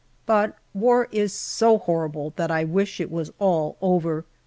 But war is so horrible that I wish it was all over.